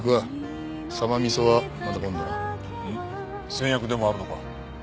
先約でもあるのか？